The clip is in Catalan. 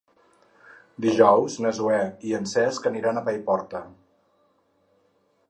Dijous na Zoè i en Cesc aniran a Paiporta.